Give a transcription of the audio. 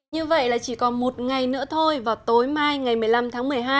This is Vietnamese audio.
như vậy là chỉ còn một ngày nữa thôi vào tối mai ngày một mươi năm tháng một mươi hai